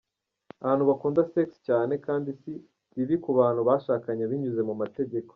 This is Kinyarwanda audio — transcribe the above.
Abantu bakunda sex cyane kandi si bibi ku bantu bashakanye binyuze mu mategeko.